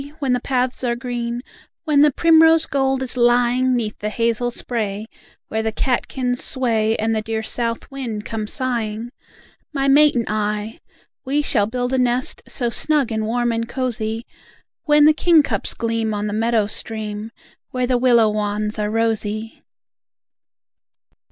When the paths are green, When the primrose gold is lying 'Neath the hazel spray, where the catkins sway, And the dear south wind comes sigh ing. My mate and I, we shall build a nest, So snug and warm and cosy, When the kingcups gleam on the meadow stream, Where the willow wands are rosy!